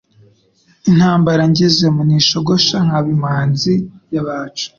Intambara ngezemo ntishogosha Nkaba imanzi y' abacu.